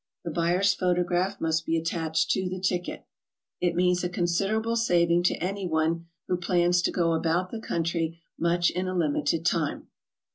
The buyer's photograph must be attached to the ticket. It HOW TO TRAVEL ABROAD. 69 means a considerable saving to anyone who plans to go about the country much in a limited time.